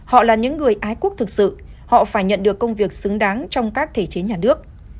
họ là những người ái quốc thực sự họ phải nhận được công việc xứng đáng trong các thể chế nhà nước